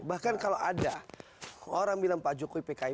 bahkan kalau ada orang bilang pak jokowi pki